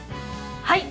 はい！